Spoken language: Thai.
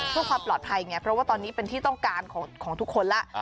เพื่อความปลอดภัยไงเพราะว่าตอนนี้เป็นที่ต้องการของทุกคนแล้ว